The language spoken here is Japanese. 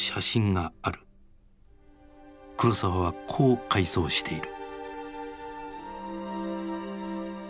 黒澤はこう回想している。